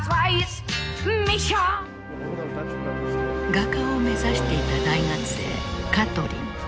画家を目指していた大学生カトリン。